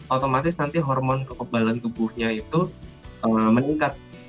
otomatis nanti hormon kekebalan tubuhnya itu meningkat